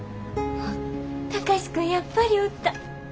貴司君やっぱりおった。